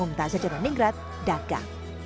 umtaz yacernia minggrat daga